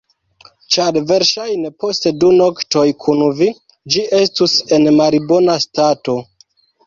Ĉar verŝajne post du noktoj kun vi ĝi estus en malbona stato.